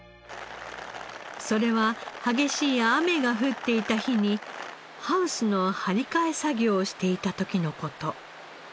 それは激しい雨が降っていた日にハウスの張り替え作業をしていた時の事。